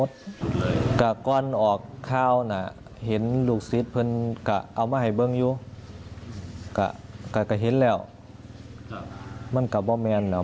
เท่ากับขวานของของครูบาไก่ก็จะทำเฟ้ยไม่ไหว